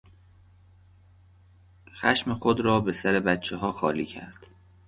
خشم خود را به سر بچهها خالی کرد.